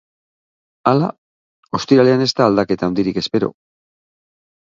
Hala, ostiralean ez da aldaketa handirik espero.